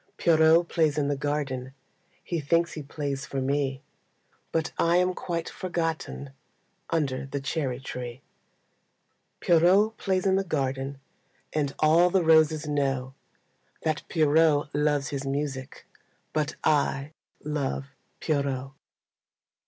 Pierrot plays in the garden, He thinks he plays for me, But I am quite forgotten Under the cherry tree. Pierrot plays in the garden, And all the roses know That Pierrot loves his music, But I love Pierrot.